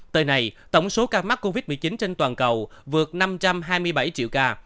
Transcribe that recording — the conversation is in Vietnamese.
tới nay tổng số ca mắc covid một mươi chín trên toàn cầu vượt năm trăm hai mươi bảy triệu ca